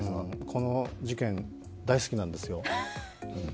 この事件、大好きなんですよ